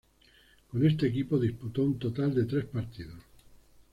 Con este equipo disputó un total de tres partidos.